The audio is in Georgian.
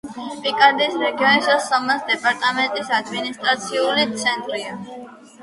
პიკარდიის რეგიონის და სომას დეპარტამენტის ადმინისტრაციული ცენტრი.